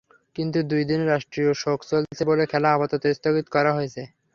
কিন্তু দুই দিনের রাষ্ট্রীয় শোক চলছে বলে খেলা আপাতত স্থগিত করা হয়েছে।